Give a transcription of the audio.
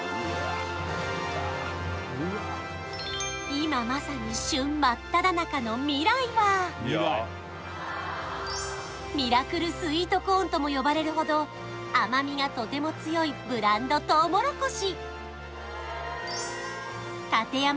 今まさに旬真っただ中の味来はミラクルスイートコーンとも呼ばれるほど甘みがとても強いブランドとうもろこし